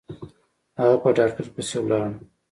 هغه په ډاکتر پسې ولاړه.